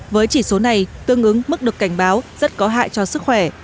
với chỉ số này tương ứng mức được cảnh báo rất có hại cho sức khỏe